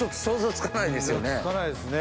つかないですね。